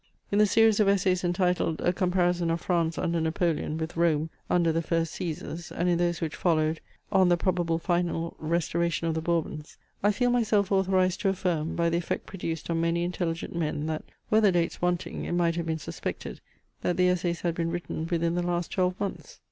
In the series of essays entitled "A comparison of France under Napoleon with Rome under the first Caesars," and in those which followed "On the probable final restoration of the Bourbons," I feel myself authorized to affirm, by the effect produced on many intelligent men, that, were the dates wanting, it might have been suspected that the essays had been written within the last twelve months.